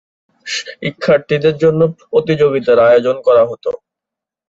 শিক্ষার্থীদের জন্য প্রতিযোগিতার আয়োজন করা হত।